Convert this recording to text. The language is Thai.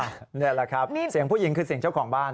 นี่แหละครับเสียงผู้หญิงคือเสียงเจ้าของบ้าน